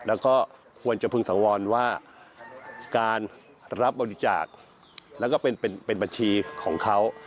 แล้วก็ควรจะพึงสังวรว่าการรับบริจาคแล้วก็เป็นบัญชีของเขา